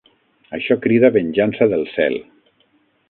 Això crida venjança del cel.